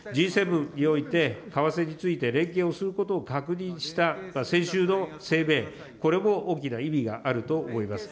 Ｇ７において為替について連携をすることを確認した先週の声明、これも大きな意味があると思います。